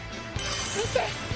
見て！